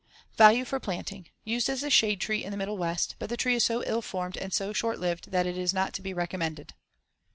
Value for planting: Used as a shade tree in the Middle West, but the tree is so ill formed and so short lived that it is not to be recommended.